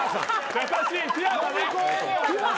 優しいピュアだね。